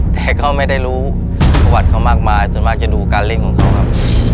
แต่เขาไม่ได้รู้ประวัติเขามากมายส่วนมากจะดูการเล่นของเขาครับ